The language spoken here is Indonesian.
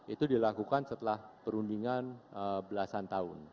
itu dilakukan setelah perundingan belasan tahun